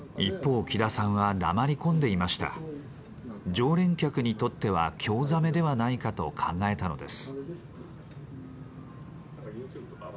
常連客にとっては興ざめではないかと考えたのです。